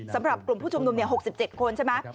สำหรับกลุ่มผู้ชุมนุม๖๗คนใช่ไหม